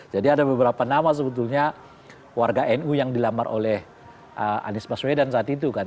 jadi ada beberapa nama sebetulnya warga nu yang dilamar oleh anies baswedan saat itu kan